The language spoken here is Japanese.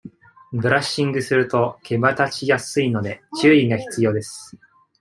ブラッシングすると毛羽立ちやすいので、注意が必要です。